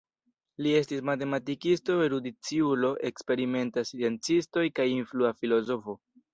Li estis matematikisto, erudiciulo, eksperimenta sciencisto kaj influa filozofo.